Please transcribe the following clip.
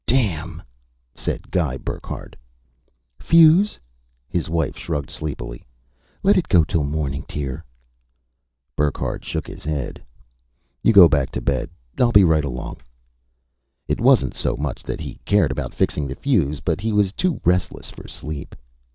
"Damn!" said Guy Burckhardt. "Fuse?" His wife shrugged sleepily. "Let it go till the morning, dear." Burckhardt shook his head. "You go back to bed. I'll be right along." It wasn't so much that he cared about fixing the fuse, but he was too restless for sleep.